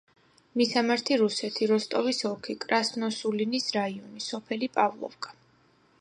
მისამართი: რუსეთი, როსტოვის ოლქი, კრასნოსულინის რაიონი, სოფელი პავლოვკა.